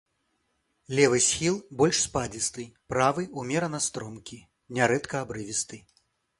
Левы схіл больш спадзісты, правы ўмерана стромкі, нярэдка абрывісты.